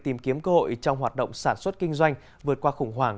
tìm kiếm cơ hội trong hoạt động sản xuất kinh doanh vượt qua khủng hoảng